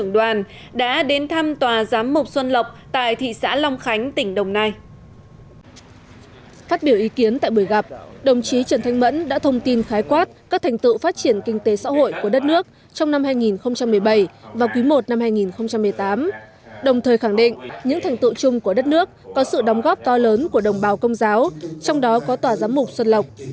đồng thời khẳng định những thành tựu chung của đất nước có sự đóng góp to lớn của đồng bào công giáo trong đó có tòa giám mục xuân lọc